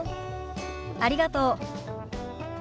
ありがとう。